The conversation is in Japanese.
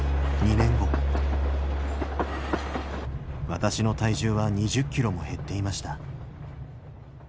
私の体重は２０キロも減っていました。